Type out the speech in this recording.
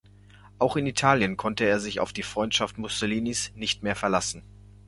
Auch in Italien konnte er sich auf die Freundschaft Mussolinis nicht mehr verlassen.